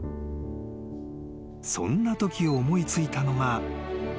［そんなとき思い付いたのが］